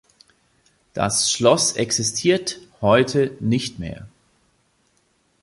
Das Schloss existiert heute nicht mehr.